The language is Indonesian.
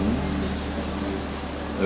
ya udah kita pulang ya